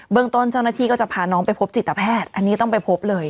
ต้นเจ้าหน้าที่ก็จะพาน้องไปพบจิตแพทย์อันนี้ต้องไปพบเลย